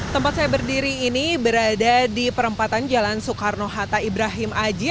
tempat saya berdiri ini berada di perempatan jalan soekarno hatta ibrahim aji